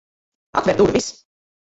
Atver durvis!